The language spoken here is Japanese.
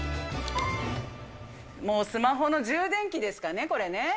もうスマホの充電器ですかね、これね。